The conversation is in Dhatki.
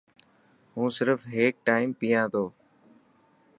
هون سرف هيڪ ٽائم پيا ٿو.